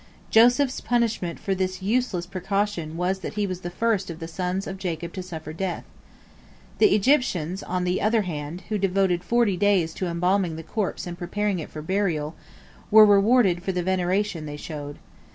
Joseph's punishment for this useless precaution was that he was the first of the sons of Jacob to suffer death. The Egyptians, on the other hand, who devoted forty days to embalming the corpse and preparing it for burial, were rewarded for the veneration they showed.